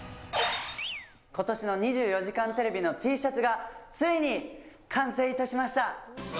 ことしの２４時間テレビのＴシャツがついに完成いたしました。